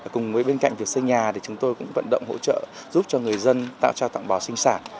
cùng với bên cạnh việc xây nhà thì chúng tôi cũng vận động hỗ trợ giúp cho người dân tạo trao tặng bò sinh sản